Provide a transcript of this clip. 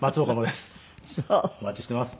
お待ちしてます。